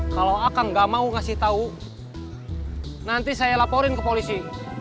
kalau akan nggak mau kasih tahu nanti saya laporin ke polisi